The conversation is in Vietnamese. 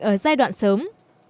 bệnh ở giai đoạn sớm